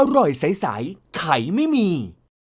อร่อยใสไข่ไม่มี